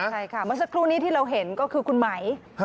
ใช่ค่ะเมื่อสักครู่นี้ที่เราเห็นก็คือคุณไหม